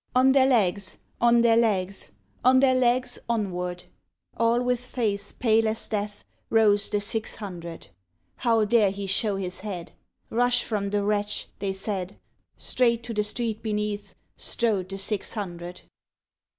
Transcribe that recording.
] On their legs, on their legs. On their legs onward. All with face pale as death Rose the Six Hundred, How dare he show his head ? "Rush from the wretch !'' they said. Straight to the street beneath Strode the Six Hundred.